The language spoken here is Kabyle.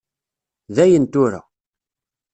Dayen tura.